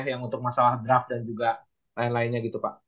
yang untuk masalah draft dan juga lain lainnya gitu pak